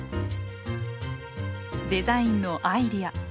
デザインのアイデア。